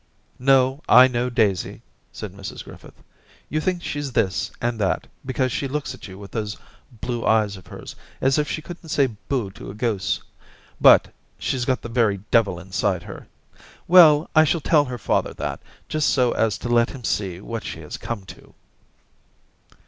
* No, I know Daisy,' said Mrs Griffith ; *you think she's this and that, because she looks at you with those blue eyes of hers, as if she couldn't say bo to a goose, but she's got the very devil inside her. ... Well, I shall tell her father that, just so as to let him see what she has come to.'